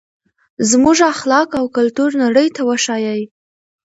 زموږ اخلاق او کلتور نړۍ ته وښایئ.